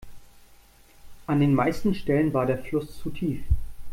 An den meisten Stellen war der Fluss zu tief.